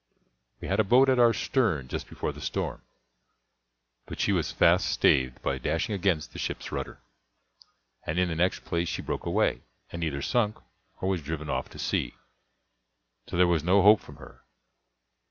We had a boat at our stern just before the storm, but she was fast staved by dashing against the ship's rudder, and in the next place she broke away, and either sunk, or was driven off to sea; so there was no hope from her.